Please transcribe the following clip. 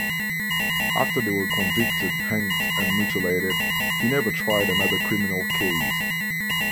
After they were convicted, hanged and mutilated, he never tried another criminal case.